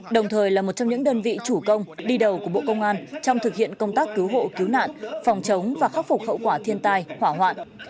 đồng thời là một trong những đơn vị chủ công đi đầu của bộ công an trong thực hiện công tác cứu hộ cứu nạn phòng chống và khắc phục hậu quả thiên tai hỏa hoạn